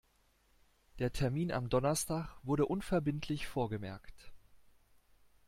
Der Termin am Donnerstag wurde unverbindlich vorgemerkt.